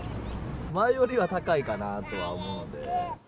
前よりは高いかなと思うんで。